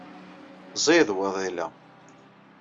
Ẓid waḍil-a.